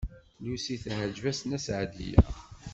Lucy teɛjeb-as Nna Seɛdiya.